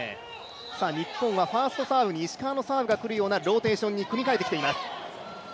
日本はファーストサーブに石川選手が来るようなローテーションに組み替えてきています。